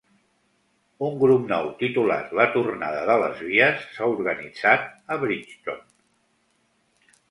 Un grup nou, titulat La Tornada de les Vies, s'ha organitzat a Bridgton.